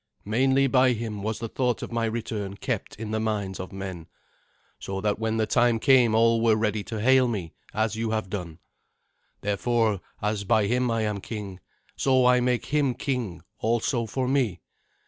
Mainly by him was the thought of my return kept in the minds of men, so that when the time came all were ready to hail me, as you have done. Therefore, as by him I am king, so I make him king also for me.